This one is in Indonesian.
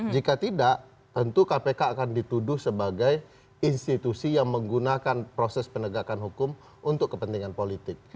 jika tidak tentu kpk akan dituduh sebagai institusi yang menggunakan proses penegakan hukum untuk kepentingan politik